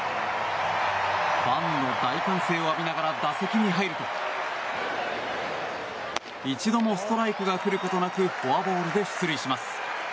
ファンの大歓声を浴びながら打席に入ると一度もストライクが来ることなくフォアボールで出塁します。